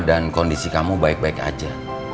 dan kondisi kamu baik baik aja